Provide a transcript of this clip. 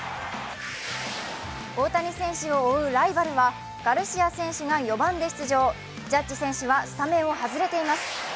大谷選手を追うライバルは、ガルシア選手が４番で出場、ジャッジ選手はスタメンを外れています。